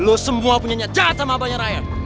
lo semua punya nyata sama abahnya raya